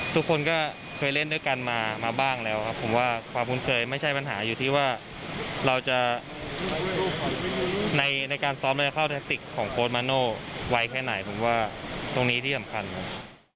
ทุกคนก็เคยเล่นด้วยกันมาบ้างแล้วครับผมว่าความคุ้นเคยไม่ใช่ปัญหาอยู่ที่ว่าเราจะในการซ้อมเราจะเข้าแทคติกของโค้ดมาโน่ไวแค่ไหนผมว่าตรงนี้ที่สำคัญครับ